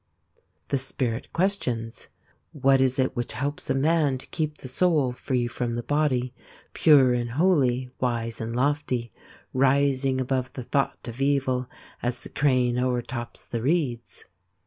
The Spirit questions : What is it which helps a man to keep the soul free from the body, pure and holy, wise and lofty, rising above the thought of evil as the crane o'er tops the reeds